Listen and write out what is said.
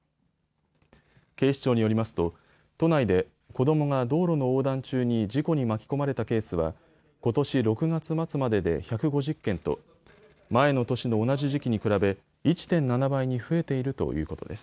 警視庁によりますと都内で子どもが道路の横断中に事故に巻き込まれたケースはことし６月末までで１５０件と前の年の同じ時期に比べ１．７倍に増えているということです。